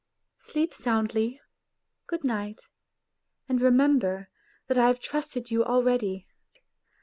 " Sleep soundly. Good night, and remember that I have trusted you already.